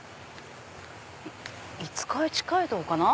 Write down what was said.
五日市街道かな。